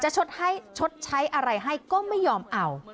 ชดใช้อะไรให้ก็ไม่ยอมเอา